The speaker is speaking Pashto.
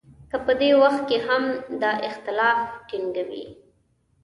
که په دې وخت کې هم دا اختلاف ټینګوي.